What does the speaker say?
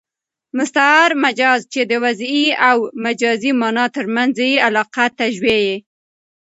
مستعار مجاز، چي د وضعي او مجازي مانا تر منځ ئې علاقه تشبېه يي.